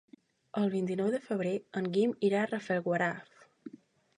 El vint-i-nou de febrer en Guim irà a Rafelguaraf.